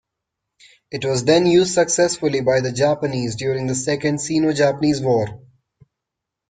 It was then used successfully by the Japanese during the Second Sino-Japanese War.